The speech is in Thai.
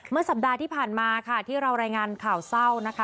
สัปดาห์ที่ผ่านมาค่ะที่เรารายงานข่าวเศร้านะคะ